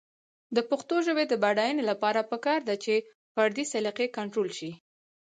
د پښتو ژبې د بډاینې لپاره پکار ده چې فردي سلیقې کنټرول شي.